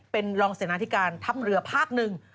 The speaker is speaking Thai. เป็นรองเสนาธิการทัพเรือภาคหนึ่ง